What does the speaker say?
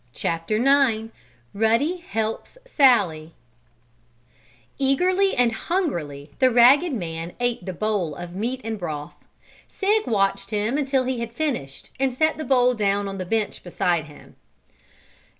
CHAPTER IX RUDDY HELPS SALLIE Eagerly and hungrily the ragged man ate the bowl of meat and broth. Sig watched him until he had finished and set the bowl down on the bench beside him.